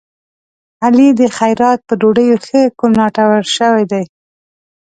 علي د خیرات په ډوډيو ښه کوناټور شوی دی.